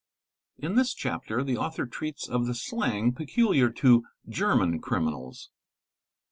In this chapter the author treats of the slang peculiar to German criminals.